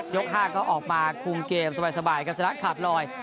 ๕ก็ออกมาคุมเกมสบายครับชนะขาดลอย